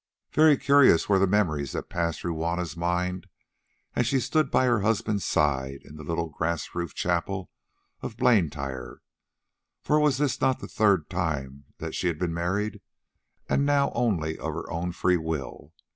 Very curious were the memories that passed through Juanna's mind as she stood by her husband's side in the little grass roofed chapel of Blantyre, for was this not the third time that she had been married, and now only of her own free will?